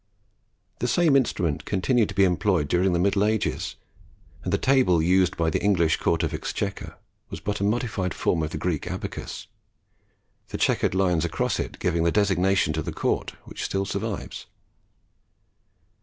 The same instrument continued to be employed during the middle ages, and the table used by the English Court of Exchequer was but a modified form of the Greek Abacus, the chequered lines across it giving the designation to the Court, which still survives.